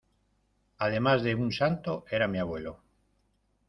además de un santo, era mi abuelo.